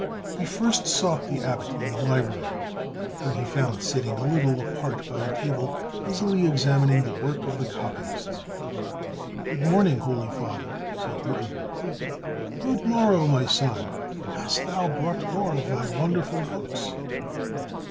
He first sought the Abbot in the library, whom he found sitting a little apart by a table, busily examining the work of the copyists. "Good morning, holy Father!" said Gutenberg. "Good morrow, my son: hast thou brought more of thy wonderful books?"